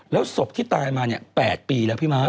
แล้วศพที่ตายมาเนี่ย๘ปีแล้วพี่ม้า